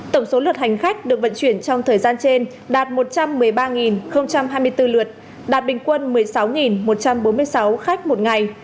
tổng số lượt hành khách được vận chuyển trong thời gian trên đạt một trăm một mươi ba hai mươi bốn lượt đạt bình quân một mươi sáu một trăm bốn mươi sáu khách một ngày